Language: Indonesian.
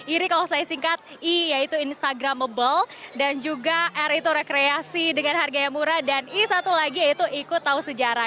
ini kalau saya singkat i yaitu instagramable dan juga r itu rekreasi dengan harga yang murah dan i satu lagi yaitu ikut tahu sejarah